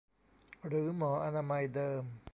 หรือหมออนามัยเดิม